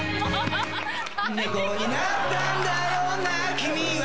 猫になったんだよな君は